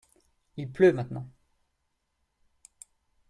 Il pleut maintenant.